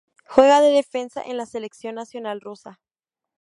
Juega de defensa en la selección nacional rusa.